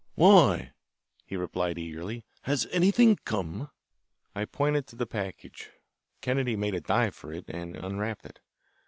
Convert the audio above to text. "Why?" he replied eagerly. "Has anything come?" I pointed to the package. Kennedy made a dive for it and unwrapped it.